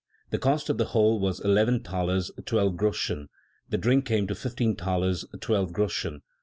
The cost of the whole was eleven thalers twelve groschen; the drink came to fifteen thalers twelve groschen.